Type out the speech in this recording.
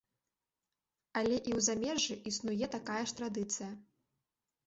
Але і ў замежжы існуе такая ж традыцыя.